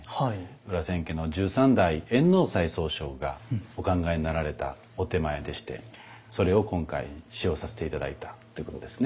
裏千家の十三代円能斎宗匠がお考えになられたお点前でしてそれを今回使用させて頂いたということですね。